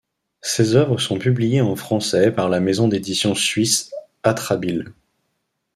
Ses œuvres sont publiées en français par la maison d'édition suisse Atrabile.